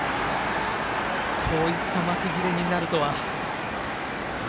こういった幕切れになるとは。